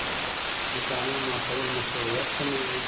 د قانون ماتول مشروعیت کموي